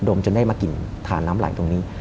มจนได้มากลิ่นฐานน้ำไหลตรงนี้